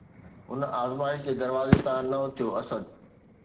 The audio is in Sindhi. هن آزمائش جي دروازي تان نه اٿيو، اسد!